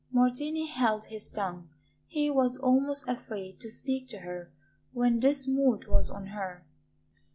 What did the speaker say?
Martini held his tongue; he was almost afraid to speak to her when this mood was on her.